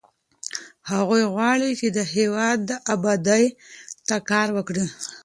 هغوی غواړي چې د هېواد ابادۍ ته کار وکړي.